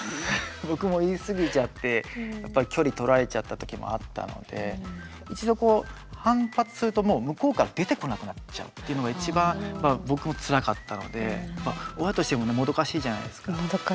僕も言い過ぎちゃって距離取られちゃった時もあったので一度こう反発するともう向こうから出てこなくなっちゃうっていうのが一番僕もつらかったので親としてももどかしいじゃないですか。